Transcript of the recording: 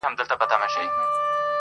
ما یې لمن کي اولسونه غوښتل.